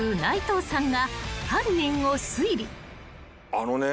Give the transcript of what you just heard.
あのね